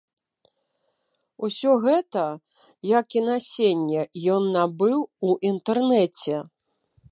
Усё гэта, як і насенне ён набыў у інтэрнэце.